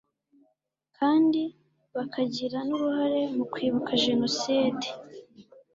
kandi bakagira n uruhare mu Kwibuka Jenoside